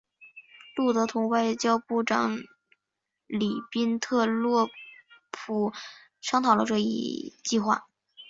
路德同外交部长里宾特洛甫商讨了这一计划。